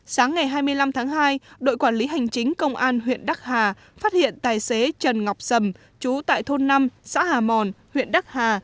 sáng ngày hai mươi năm tháng hai đội quản lý hành chính công an huyện đắc hà phát hiện tài xế trần ngọc sầm trú tại thôn năm xã hà mòn huyện đắc hà